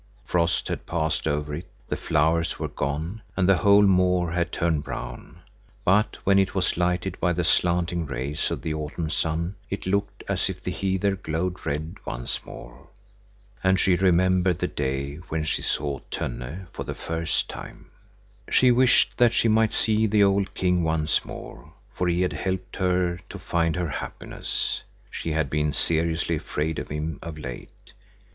Frost had passed over it, the flowers were gone, and the whole moor had turned brown. But when it was lighted by the slanting rays of the autumn sun, it looked as if the heather glowed red once more. And she remembered the day when she saw Tönne for the first time. She wished that she might see the old king once more, for he had helped her to find her happiness. She had been seriously afraid of him of late.